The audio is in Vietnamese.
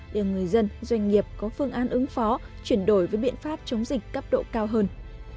để người dân doanh nghiệp có phương án ứng phó chuyển đổi với biện pháp chống dịch cấp độ cao hơn